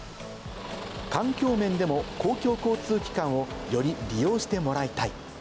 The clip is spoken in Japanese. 環境面でも、公共交通機関をより利用してもらいたい。